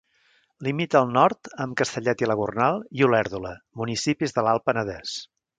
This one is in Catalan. Limita al nord amb Castellet i la Gornal i Olèrdola, municipis de l'Alt Penedès.